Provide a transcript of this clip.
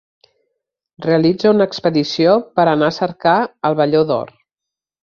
Realitza una expedició per anar a cercar el velló d'or.